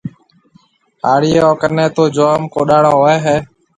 هاڙِيون ڪنَي تو جوم ڪوڏاڙون هوئي هيَ۔